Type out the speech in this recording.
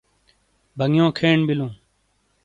بانگیو کھین بِیلوں۔